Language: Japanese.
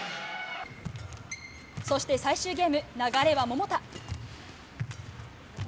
そして、最終ゲーム流れは桃田。